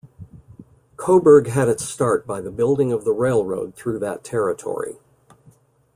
Coburg had its start by the building of the railroad through that territory.